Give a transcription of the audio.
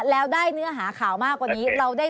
แล้วได้เนื้อหาข่าวมากกว่านี้